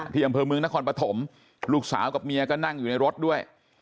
ที่อำเภอเมืองนครปฐมลูกสาวกับเมียก็นั่งอยู่ในรถด้วย